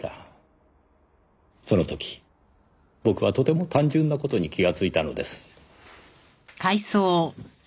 その時僕はとても単純な事に気がついたのです。